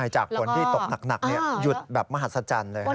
จากฝนที่ตกหนักหยุดแบบมหัศจรรย์เลย